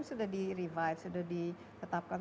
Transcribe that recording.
sudah direvive sudah diketapkan